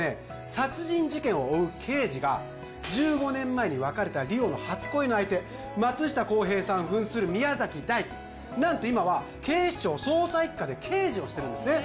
殺人事件を追う刑事が１５年前に別れた梨央の初恋の相手松下洸平さん扮する宮崎大輝何と今は警視庁捜査一課で刑事をしてるんですね